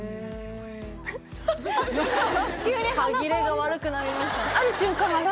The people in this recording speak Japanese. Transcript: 歯切れが悪くなりましたね